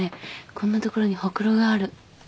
こんな所にほくろがある。